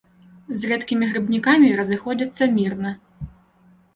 З рэдкімі грыбнікамі разыходзяцца мірна.